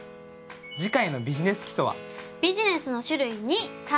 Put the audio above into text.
次回の「ビジネス基礎」は？